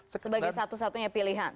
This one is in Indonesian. sebagai satu satunya pilihan